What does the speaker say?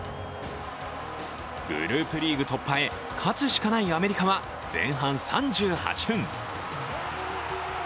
グループリーグ突破へ勝つしかないアメリカは前半３８分。